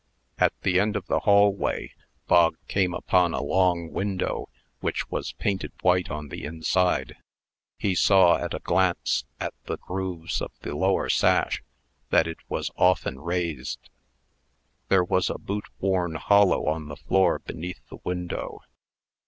At the end of the hallway, Bog came upon a long window, which was painted white on the inside. He saw, by a glance at the grooves of the lower sash, that it was often raised. There was a boot worn hollow on the floor beneath the window.